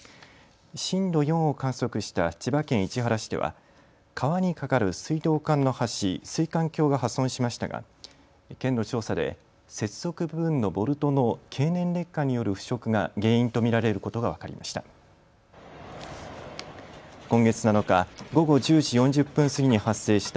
震度４を観測した千葉県市原市では川に架かる水道管の橋、水管橋が破損しましたが県の調査で接続部分のボルトの経年劣化による腐食が原因と見られることが分かりました。